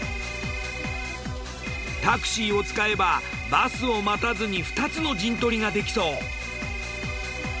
タクシーを使えばバスを待たずに２つの陣取りができそう。